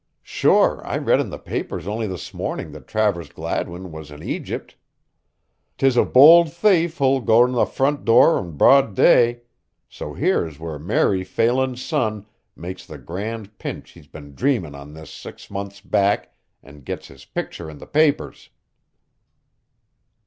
"Sure, I read in the papers on'y this morning that Travers Gladwin was in Agypt. 'Tis a bold thafe who'll go in the front door in broad day, so here's where Mary Phelan's son makes the grand pinch he's been dreamin' on this six months back and gets his picture in the papers."